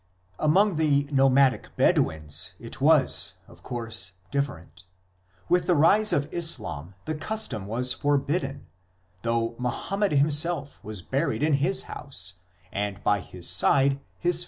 2 Among the nomadic Bedouins it was, of course, different. With the rise of Islam the custom was forbidden, though Muhammad himself was buried in his house, and by his side his first successors.